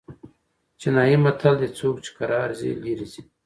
چینايي متل دئ: څوک چي کرار ځي؛ ليري ځي.